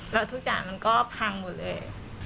แล้วทุกอย่างมันก็พังหมดเลย